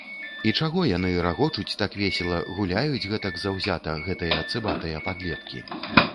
І чаго яны рагочуць так весела, гуляюць гэтак заўзята, гэтыя цыбатыя падлеткі?